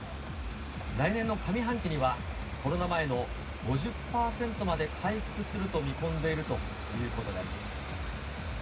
来年の上半期には、コロナ前の５０％まで回復すると見込んでいるということです。